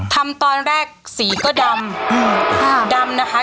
ทำตอนแรกสีก็ดำ